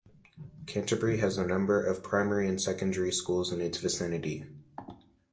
Canterbury has a number of primary and secondary schools in its vicinity.